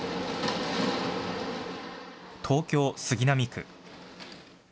東京・杉並区。